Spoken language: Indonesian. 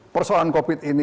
persoalan covid ini